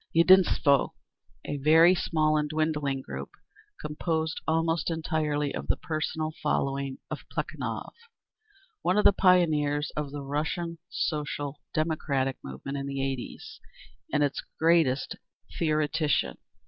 e. Yedinstvo. A very small and dwindling group, composed almost entirely of the personal following of Plekhanov, one of the pioneers of the Russian Social Democratic movement in the 80's, and its greatest theoretician.